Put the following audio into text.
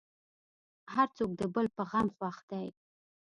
هر څوک د بل په غم خوښ دی.